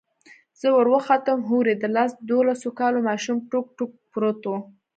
زه وروختم هورې د لس دولسو كالو ماشوم ټوك ټوك پروت و.